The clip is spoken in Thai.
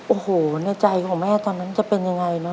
โอ้โหในใจของแม่ตอนนั้นจะเป็นยังไงเนอะ